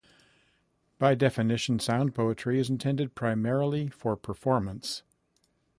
By definition, sound poetry is intended primarily for performance.